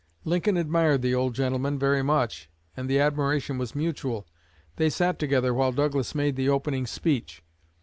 Lincoln admired the old gentleman very much, and the admiration was mutual. They sat together while Douglas made the opening speech.